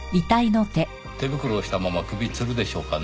手袋をしたまま首吊るでしょうかね？